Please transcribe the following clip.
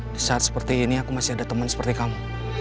di saat seperti ini aku masih ada teman seperti kamu